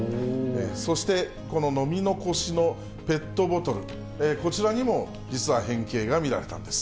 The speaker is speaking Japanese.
そして、この飲み残しのペットボトル、こちらにも実は変形が見られたんです。